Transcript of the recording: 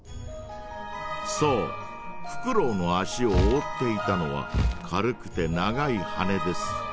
そうフクロウの足をおおっていたのは軽くて長いはねです。